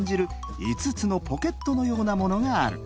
いつつのポケットのようなものがある。